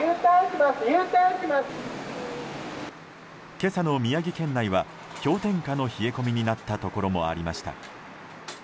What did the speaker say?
今朝の宮城県内は氷点下の冷え込みになったところもありました。